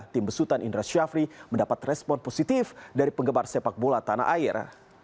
tim besutan indra syafri mendapat respon positif dari penggemar sepak bola tanah air